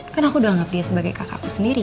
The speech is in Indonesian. karena aku udah anggap dia sebagai kakakku sendiri